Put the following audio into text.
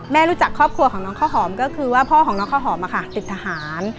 รู้จักครอบครัวของน้องข้าวหอมก็คือว่าพ่อของน้องข้าวหอมติดทหาร